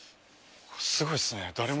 すごいっすね。